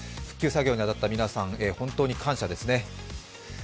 復旧作業に当たった皆さん、本当に感謝ですね。